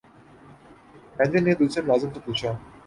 manager نے دوسرے ملازم سے پوچھا